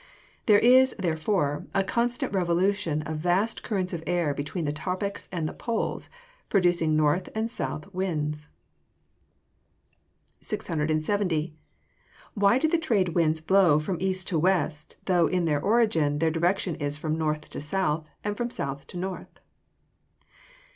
There is, therefore, a constant revolution of vast currents of air between the tropics and the poles, producing north and south winds. 670. _Why do the trade winds blow from east to west, though, in their origin, their direction is from north to south and from south to north?